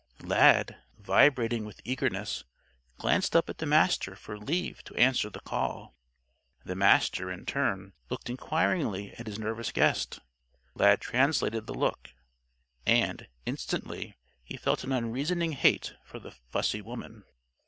Lad, vibrating with eagerness, glanced up at the Master for leave to answer the call. The Master, in turn, looked inquiringly at his nervous guest. Lad translated the look. And, instantly, he felt an unreasoning hate for the fussy woman.